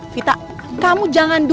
pak ar murid